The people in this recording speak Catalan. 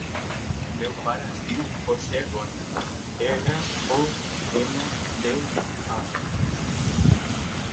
El meu pare es diu José Ronda: erra, o, ena, de, a.